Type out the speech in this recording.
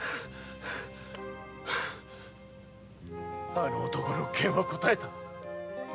あの男の剣はこたえた。